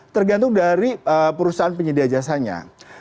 tergantung dari perusahaan penyedia jasanya